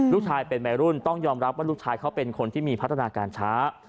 ลูกชายเป็นวัยรุ่นต้องยอมรับว่าลูกชายเขาเป็นคนที่มีพัฒนาการช้า